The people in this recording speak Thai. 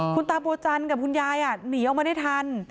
คุณตาบัวจันกับคุณยายนี่ออกมาไม่ได้ทัน